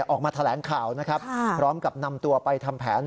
ออกมาแถลงข่าวนะครับพร้อมกับนำตัวไปทำแผน